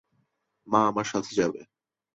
মা আমার সাথে যাবে।